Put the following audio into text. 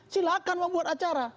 silahkan membuat acara